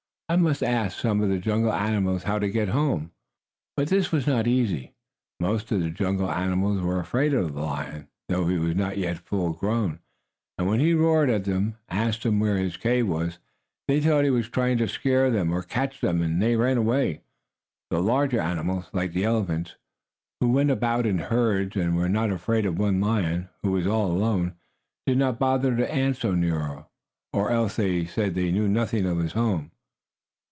I must ask some of the jungle animals how to get home." But this was not easy. Most of the jungle animals were afraid of the lion, though he was not yet full grown, and when he roared at them, to ask where his cave was, they thought he was trying to scare them or catch them, and they ran away. The larger animals, like the elephants, who went about in herds, and who were not afraid of one lion who was all alone, did not bother to answer Nero, or else they said they knew nothing of his home.